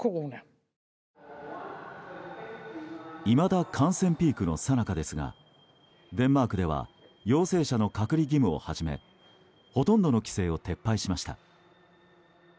いまだ感染ピークのさなかですがデンマークでは陽性者の隔離義務をはじめほとんどの規制を撤廃しました。